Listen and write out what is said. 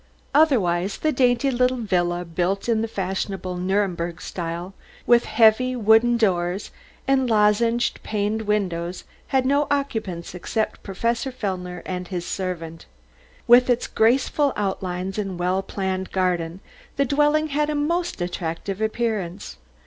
Otherwise the dainty little villa, built in the fashionable Nuremberg style, with heavy wooden doors and lozenged paned windows, had no occupants except Professor Fellner and his servant. With its graceful outlines and well planned garden, the dwelling had a most attractive appearance.